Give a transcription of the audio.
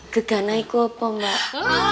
keganaiku apa mbak